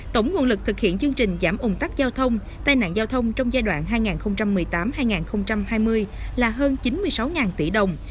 tổng nguồn lực thực hiện chương trình giảm ủng tắc giao thông tai nạn giao thông trong giai đoạn hai nghìn một mươi tám hai nghìn hai mươi là hơn chín mươi sáu tỷ đồng